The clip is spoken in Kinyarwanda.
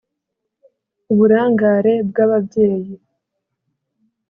uburangare bw’ababyeyi